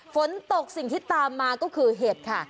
ฝนตกสิ่งที่ตามมาก็คือเห็ดค่ะ